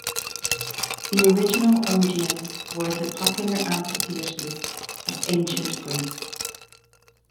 The original Odeons were the popular amphitheatres of ancient Greece.